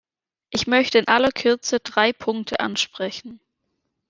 Ich möchte in aller Kürze drei Punkte ansprechen.